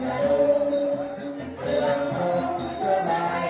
การทีลงเพลงสะดวกเพื่อความชุมภูมิของชาวไทยรักไทย